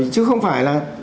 chứ không phải là